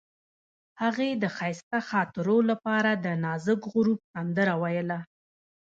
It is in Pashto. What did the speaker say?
هغې د ښایسته خاطرو لپاره د نازک غروب سندره ویله.